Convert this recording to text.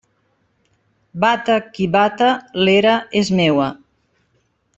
Bata qui bata, l'era és meua.